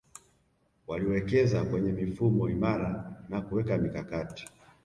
Waliwekeza kwenye mifumo imara na kuweka mikakati